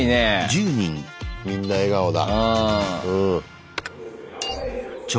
みんな笑顔だ。